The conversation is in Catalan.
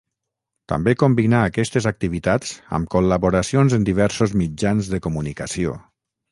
També combinà aquestes activitats amb col·laboracions en diversos mitjans de comunicació.